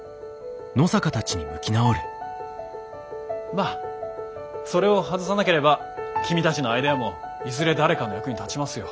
まあそれを外さなければ君たちのアイデアもいずれ誰かの役に立ちますよ。